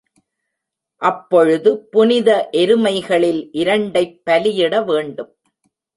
அப்பொழுது புனித எருமைகளில் இரண்டைப் பலியிட வேண்டும்.